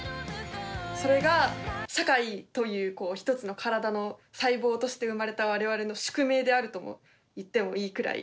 それが社会という一つの体の細胞として生まれた我々の宿命であるとも言ってもいいくらい。